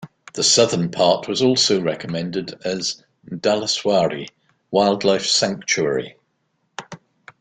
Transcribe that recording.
The southern part was also recommended as 'Dhaleswari' wildlife sanctuary.